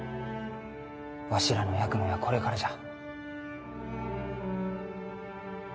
わしらの役目はこれからじゃ。